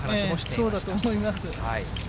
そうだと思います。